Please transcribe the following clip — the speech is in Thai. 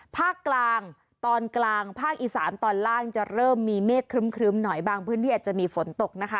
ภาคกลางตอนกลางภาคอีสานตอนล่างจะเริ่มมีเมฆครึ้มหน่อยบางพื้นที่อาจจะมีฝนตกนะคะ